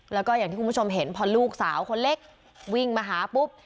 แล้วก็อย่างที่คุณผู้ชมเห็นพอลูกสาวคนเล็กวิ่งมาหาปุ๊บ